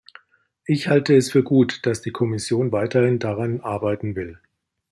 Ich halte es für gut, dass die Kommission weiterhin daran arbeiten will.